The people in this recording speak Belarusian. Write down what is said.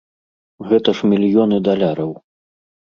Гэта ж мільёны даляраў.